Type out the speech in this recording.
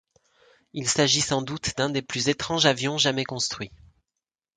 Il s'agit sans doute d'un des plus étranges avions jamais construits.